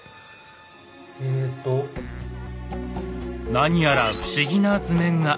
何やら不思議な図面が。